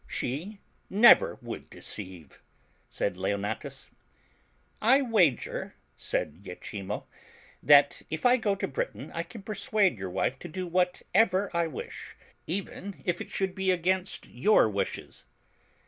"She never would deceive," said Leonatus. "I wager," said lachimo, "that, if I go to Britain, I can persuade your wife to do whatever I wish, even if it should be against your wishes."